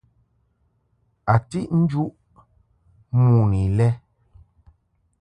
A tiʼ njuʼ mon i lɛ.